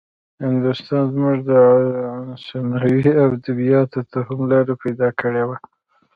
هندوستان زموږ عنعنوي ادبياتو ته هم لاره پيدا کړې وه.